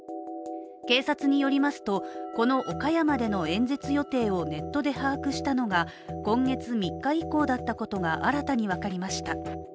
警察によりますとこの岡山での演説予定をネットで把握したのが今月３日以降だったことが新たに分かりました。